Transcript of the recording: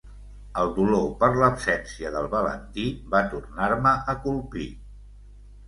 El dolor per l'absència del Valentí va tornar-me a colpir.